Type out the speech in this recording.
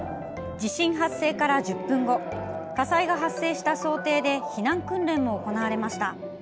地震発生から１０分後火災が発生した想定で避難訓練も行われました。